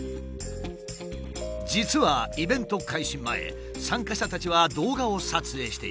実はイベント開始前参加者たちは動画を撮影していた。